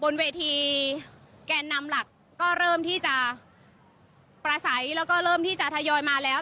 บนเวทีแกนนำหลักก็เริ่มที่จะประสัยแล้วก็เริ่มที่จะทยอยมาแล้ว